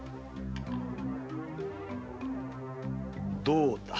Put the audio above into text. どうだ。